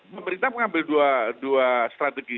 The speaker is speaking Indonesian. pemerintah mengambil dua strategi